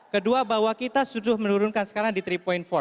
kedua bahwa kita sudah menurunkan sekarang di tiga empat